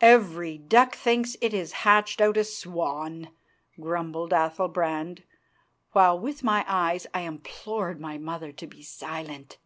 "Every duck thinks it has hatched out a swan," grumbled Athalbrand, while with my eyes I implored my mother to be silent.